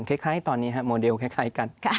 รุ่นไฟลุแค่ใครตอนนี้ฮะมดเรลแค่ใคน